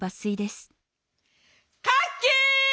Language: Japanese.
「カッキーン。